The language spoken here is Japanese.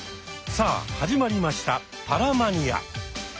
さあ始まりました「パラマニア」。